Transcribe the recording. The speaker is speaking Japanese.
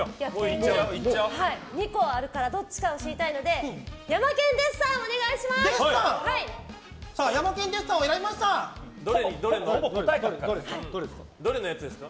２個あるからどっちかを知りたいのでヤマケン・デッサンをどれのやつですか？